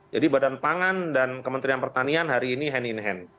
jadi badan pangan dan kementerian pertanian hari ini hand in hand